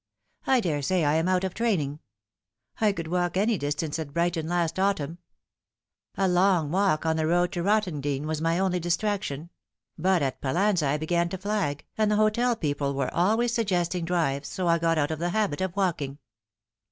I daresay I am out of training. I could walk any distance at Brighton last autumn. A long walk on 342 The Fatal Three. the road to Rottingdean was my only distraction ; hot at Pal lanza I began to flag, and the hotel people were always suggesting drives, so I got out of the habit of walking."